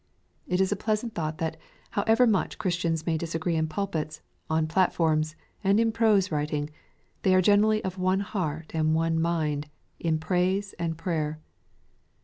It is a pleasant thought, that, however much Christians may disagree in pulpits, on plat forms, and in prose writing, they are generally of one heart, and one mind, in praise and prayer.